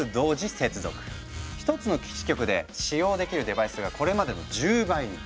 １つの基地局で使用できるデバイスがこれまでの１０倍に。